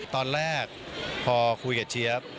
ตอนแรกพอคุยกับเจี๊ยบ